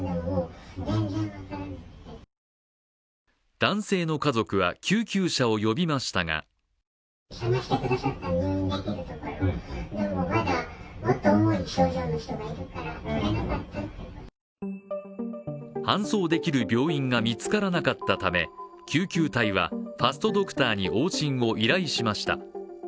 男性の家族は救急車を呼びましたが搬送できる病院が見つからなかったため、救急隊はファストドクターに往診を依頼しました。